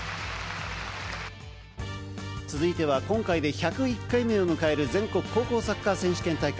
続いては今回で１０１回目を迎える全国高校サッカー選手権大会。